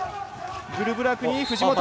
グルブラクに藤本。